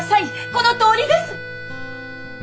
このとおりです！